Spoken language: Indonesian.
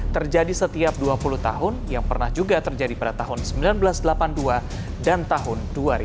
terjadi setiap dua puluh tahun yang pernah juga terjadi pada tahun seribu sembilan ratus delapan puluh dua dan tahun dua ribu